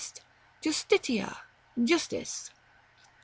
Justicia. Justice.